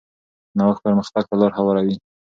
نوښت پرمختګ ته لار هواروي.